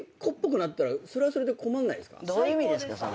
どういう意味ですか？